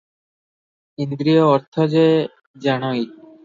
ଇନ୍ଦ୍ରିୟ ଅର୍ଥ ଯେ ଜାଣଇ ।